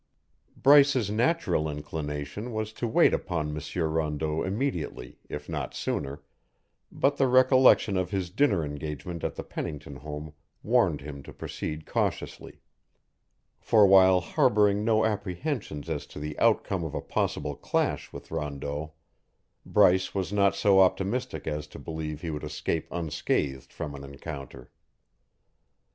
Bryce's natural inclination was to wait upon M. Rondeau immediately, if not sooner, but the recollection of his dinner engagement at the Pennington home warned him to proceed cautiously; for while harbouring no apprehensions as to the outcome of a possible clash with Rondeau, Bryce was not so optimistic as to believe he would escape unscathed from an encounter.